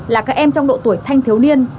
là các em trong độ tuổi thanh thiếu niên